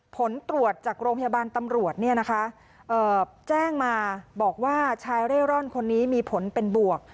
ผลตรวจจากโรงพยาบาลตำรวจแจ้งมาบอกว่าชายเร่ร่อนคนนี้มีผลเป็นบวก